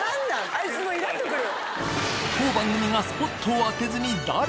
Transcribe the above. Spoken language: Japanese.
あいつイラッとくる。